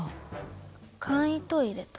簡易トイレとか。